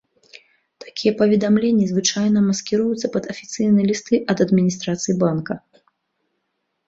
Такія паведамленні звычайна маскіруюцца пад афіцыйныя лісты ад адміністрацыі банка.